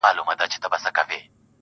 خو له تربوره څخه پور، په سړي خوله لگوي,